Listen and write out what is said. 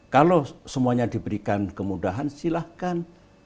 kalau semuanya diberikan kemudahan silahkan